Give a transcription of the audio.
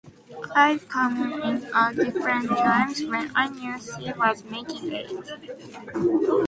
I'd come in at different times, when I knew she was making it.